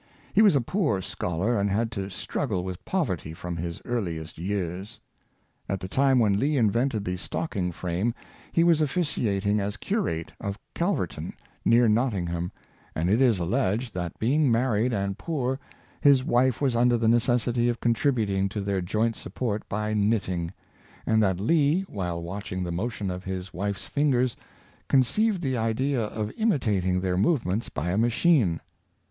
He was a poor scholar, and had to struggle with poverty from his earliest years. At the time when Lee invented the Stocking frame he was officiating as curate of Calverton, near Notting ham, and it is alleged, that being married and poor, his wife was under the necessity of contributing to their joint support by knitting; and that Lee, while watching the motion of his wife's fingers, conceived the idea of imitating their movements by a machine.